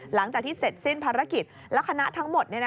หลังจากที่เสร็จสิ้นภารกิจแล้วคณะทั้งหมด